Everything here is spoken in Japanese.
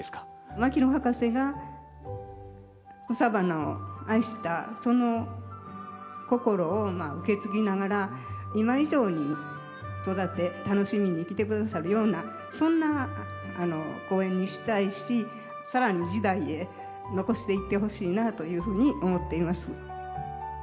牧野博士が草花を愛したその心を受け継ぎながら今以上に育て楽しみに来てくださるようなそんな公園にしたいしさらに次代へ残していってほしいなというふうに思っています。